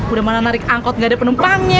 udah mana narik angkot nggak ada penumpangnya